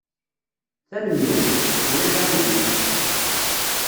Tanemmirt. Ulac aɣilif.